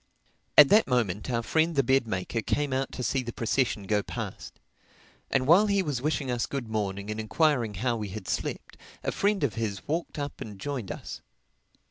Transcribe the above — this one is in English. At that moment our friend the bed maker came out to see the procession go past. And while he was wishing us good morning and enquiring how we had slept, a friend of his walked up and joined us.